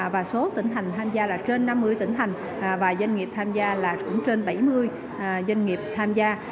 và số tỉnh thành tham gia là trên năm mươi tỉnh thành và doanh nghiệp tham gia là cũng trên bảy mươi doanh nghiệp tham gia